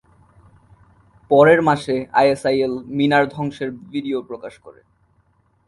পরের মাসে আইএসআইএল মিনার ধ্বংসের ভিডিও প্রকাশ করে।